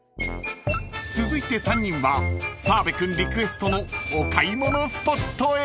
［続いて３人は澤部君リクエストのお買い物スポットへ］